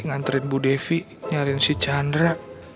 nganterin bu devi nyariin si chandra